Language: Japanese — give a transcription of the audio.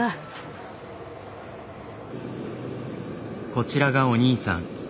こちらがお義兄さん。